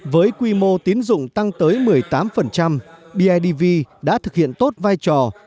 với quy mô tín dụng tăng tới một mươi tám bidv đã thực hiện tốt vai trò